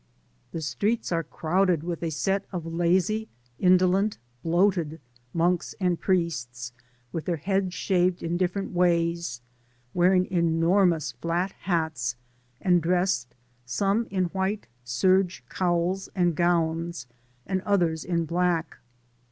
The streets are crowded * with a set of Digitized byGoogk THE GREAT COEDILLEEA. 191 lazy, indolent^ bloated monks and priests, with their heads shaved in different ways*, wearing enormous flat hats, and dressed, some in white serge cowls and gowns, and others in black.